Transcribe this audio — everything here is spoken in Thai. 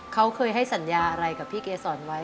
เขาเคยให้สัญญาอะไรกับพี่เกษรไว้